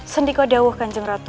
sendiko dawah kanjeng ratu